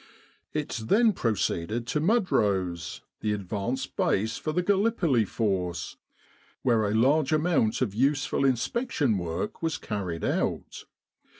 It then proceeded to Mudros, the advanced Base for the Gallipoli Force, where a large amount of useful inspection work was carried out.